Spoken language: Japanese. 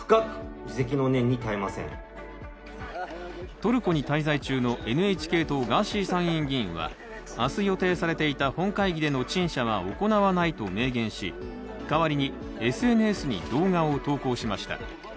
トルコに滞在中のＮＨＫ党・ガーシー参議院議員は明日予定されていた本会議での陳謝は行わないと明言し代わりにＳＮＳに動画を投稿しました。